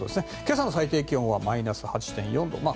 今朝の最低気温はマイナス８．４度。